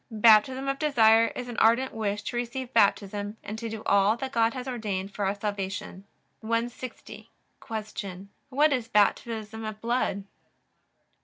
Baptism of desire is an ardent wish to receive Baptism, and to do all that God has ordained for our salvation. 160. Q. What is Baptism of blood?